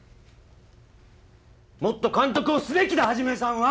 もっと監督をすべきだ一さんは！